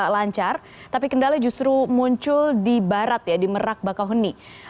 lancar tapi kendala justru muncul di barat ya di merak bakauheni